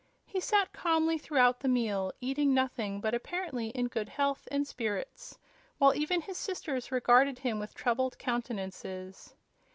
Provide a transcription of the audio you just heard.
He sat calmly throughout the meal, eating nothing, but apparently in good health and spirits, while even his sisters regarded him with troubled countenances.